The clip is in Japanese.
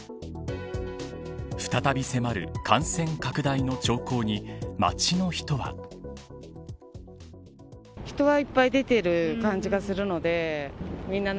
再び迫る、感染拡大の兆候に街の人は。